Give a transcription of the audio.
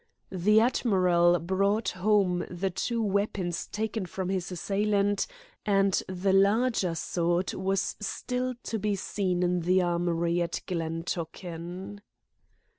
The Admiral brought home the two weapons taken from his assailant, and the larger sword was still to be seen in the armoury at Glen Tochan.